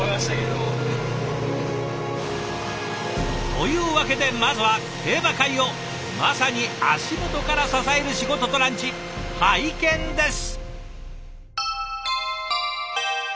というわけでまずは競馬界をまさに足元から支える仕事とランチ拝見です。